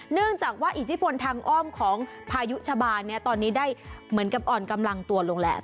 เนื่องจากว่าอิทธิพลทางอ้อมของพายุชะบานตอนนี้ได้เหมือนกับอ่อนกำลังตัวลงแล้ว